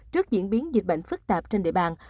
trước diễn biến dịch bệnh phức tạp trên địa bàn